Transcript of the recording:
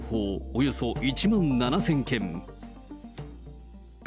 およそ１万７０００件。